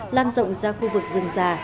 lan rộng ra khu vực rừng già